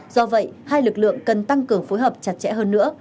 do vậy hai lực lượng cần tăng cường phối hợp chặt chẽ hơn nữa